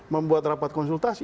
membuat rapat konsultasi